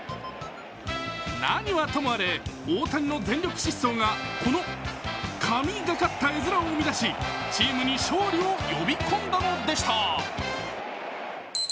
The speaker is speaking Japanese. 何はともあれ大谷の全力疾走がこの神がかった絵面を生み出しチームに勝利を呼び込んだのでした。